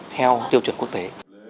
theo tiêu chuẩn quốc tế